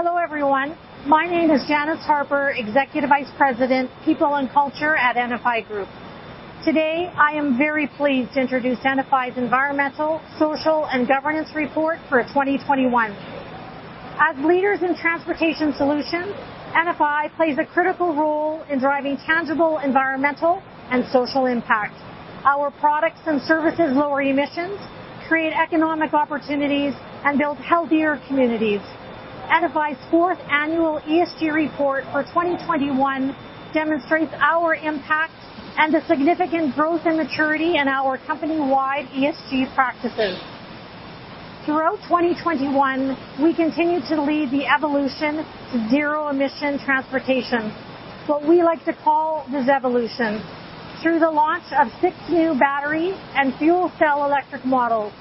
Hello everyone. My name is Janice Harper, Executive Vice President, People and Culture at NFI Group. Today, I am very pleased to introduce NFI's Environmental, Social, and Governance Report for 2021. As leaders in transportation solutions, NFI plays a critical role in driving tangible environmental and social impact. Our products and services lower emissions, create economic opportunities, and build healthier communities. NFI's fourth annual ESG report for 2021 demonstrates our impact and a significant growth and maturity in our company-wide ESG practices. Throughout 2021, we continued to lead the evolution to zero-emission transportation, what we like to call the ZEvolution, through the launch of six new battery and fuel cell electric models.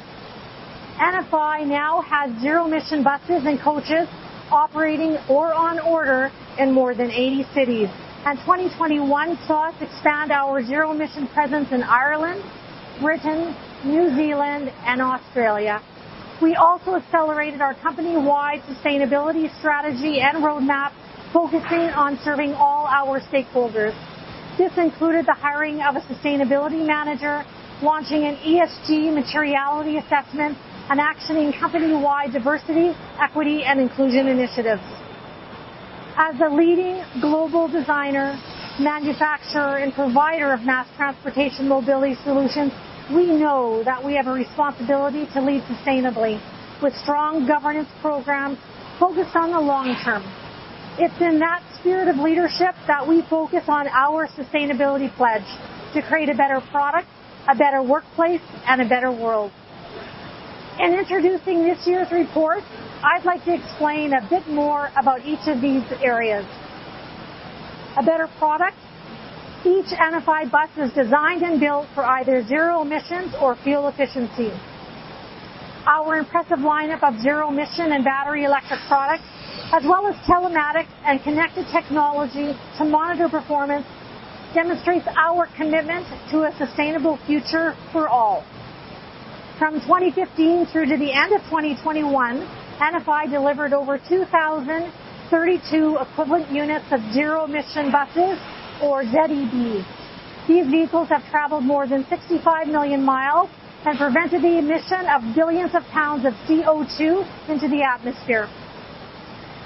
NFI now has zero-emission buses and coaches operating or on order in more than 80 cities. 2021 saw us expand our zero-emission presence in Ireland, Britain, New Zealand, and Australia. We also accelerated our company-wide sustainability strategy and roadmap, focusing on serving all our stakeholders. This included the hiring of a sustainability manager, launching an ESG materiality assessment, and actioning company-wide diversity, equity, and inclusion initiatives. As a leading global designer, manufacturer, and provider of mass transportation mobility solutions, we know that we have a responsibility to lead sustainably with strong governance programs focused on the long-term. It's in that spirit of leadership that we focus on our sustainability pledge to create a better product, a better workplace, and a better world. In introducing this year's report, I'd like to explain a bit more about each of these areas. A better product. Each NFI bus is designed and built for either zero-emissions or fuel efficiency. Our impressive lineup of zero-emission and battery-electric products, as well as telematics and connected technology to monitor performance, demonstrates our commitment to a sustainable future for all. From 2015 through to the end of 2021, NFI delivered over 2,032 equivalent units of zero-emission buses, or ZEB. These vehicles have traveled more than 65 million miles and prevented the emission of billions of pounds of CO2 into the atmosphere.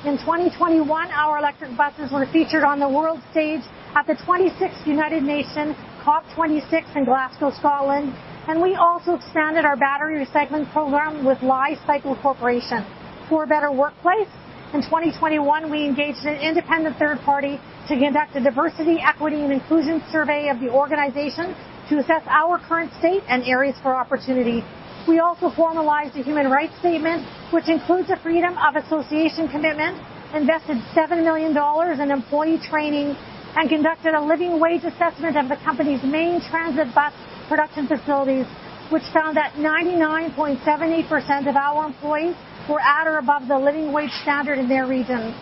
In 2021, our electric buses were featured on the world stage at the 26th United Nations COP26 in Glasgow, Scotland, and we also expanded our battery recycling program with Li-Cycle Corporation. For a better workplace, in 2021 we engaged an independent third party to conduct a diversity, equity, and inclusion survey of the organization to assess our current state and areas for opportunity. We also formalized a human rights statement which includes a freedom of association commitment, invested 7 million dollars in employee training, and conducted a living wage assessment of the company's main transit bus production facilities, which found that 99.78% of our employees were at or above the living wage standard in their regions.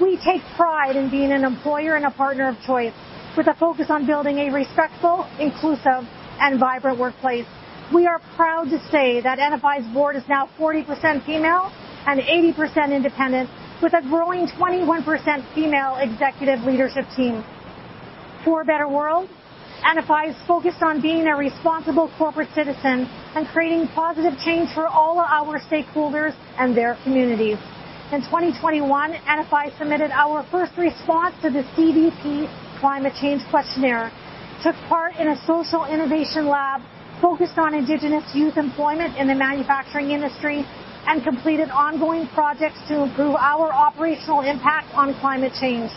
We take pride in being an employer and a partner of choice with a focus on building a respectful, inclusive, and vibrant workplace. We are proud to say that NFI's board is now 40% female and 80% independent with a growing 21% female executive leadership team. For a better world, NFI is focused on being a responsible corporate citizen and creating positive change for all our stakeholders and their communities. In 2021, NFI submitted our first response to the CDP Climate Change Questionnaire, took part in a social innovation lab focused on indigenous youth employment in the manufacturing industry, and completed ongoing projects to improve our operational impact on climate change.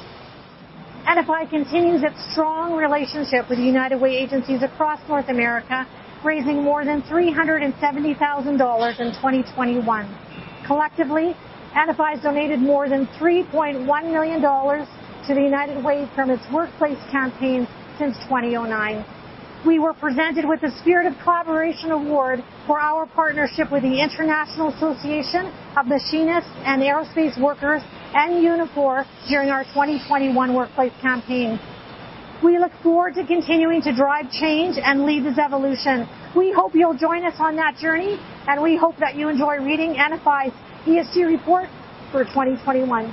NFI continues its strong relationship with United Way agencies across North America, raising more than 370,000 dollars in 2021. Collectively, NFI has donated more than 3.1 million dollars to the United Way from its workplace campaign since 2009. We were presented with the Spirit of Collaboration Award for our partnership with the International Association of Machinists and Aerospace Workers and Unifor during our 2021 workplace campaign. We look forward to continuing to drive change and lead this evolution. We hope you'll join us on that journey, and we hope that you enjoy reading NFI's ESG report for 2021.